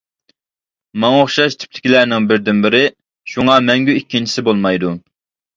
ماڭا ئوخشاش تىپتىكىلەرنىڭ بىردىنبىرى، شۇڭا مەڭگۈ ئىككىنچىسى بولمايدۇ.